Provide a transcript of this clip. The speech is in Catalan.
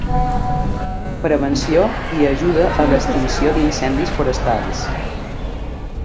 Prevenció i ajuda a l'extinció d'incendis forestals.